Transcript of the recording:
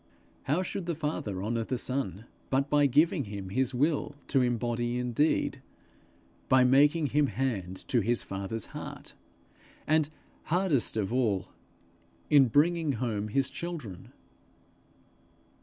How should the Father honour the Son, but by giving him his will to embody in deed, by making him hand to his father's heart! and hardest of all, in bringing home his children!